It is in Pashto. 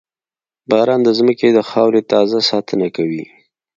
• باران د زمکې د خاورې تازه ساتنه کوي.